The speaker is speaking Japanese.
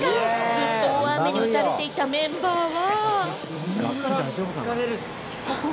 ずっと大雨に打たれていたメンバーは。